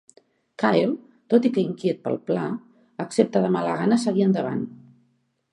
Kyle, tot i que inquiet pel pla, accepta de mala gana seguir endavant.